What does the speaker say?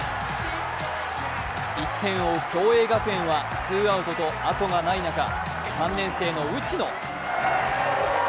１点を追う共栄学園はツーアウトと後がない中３年生の打野。